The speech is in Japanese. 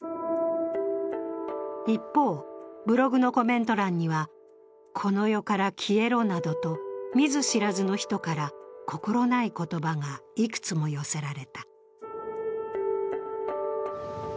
一方、ブログのコメント欄には、「この世から消えろ」などと見ず知らずの人から心ない言葉がいくつも寄せられた。